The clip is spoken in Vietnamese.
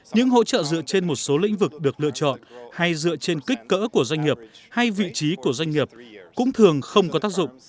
những hỗ trợ dựa trên một số lĩnh vực được lựa chọn hay dựa trên kích cỡ của doanh nghiệp hay vị trí của doanh nghiệp cũng thường không có tác dụng